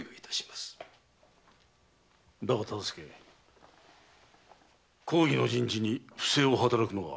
だが忠相公儀の人事に不正を働くのは。